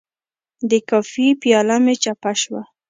د کافي پیاله مې چپه شوه.